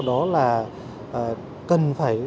đó là cần phải